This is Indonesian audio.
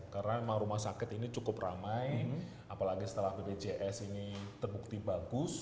karena rumah sakit ini cukup ramai apalagi setelah pdjs ini terbukti bagus